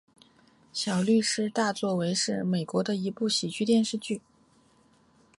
小律师大作为是美国的一部喜剧电视剧。